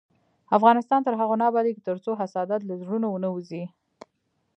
افغانستان تر هغو نه ابادیږي، ترڅو حسادت له زړونو ونه وځي.